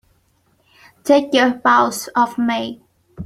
Take your paws off me!